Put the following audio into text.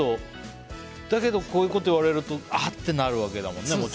だけど、こういうこと言われるとあってなるわけだもんね